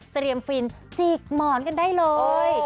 เตรียมฟิล์มจีกหมอนกันได้เลย